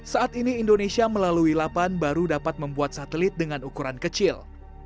saat ini indonesia melalui lapan baru dapat membuat satelit dengan ukuran kecil